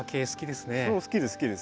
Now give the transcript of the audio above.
好きです好きです。